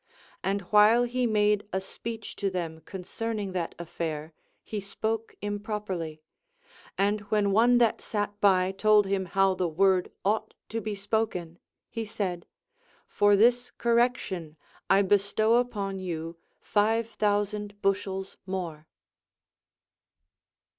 And while he made a speech to them concerning that affair, he spoke improp erly ; and Avhen one that sat by told him how the word ought to be spoken, he said : For this correction I bestow upon you five thousand bushels more.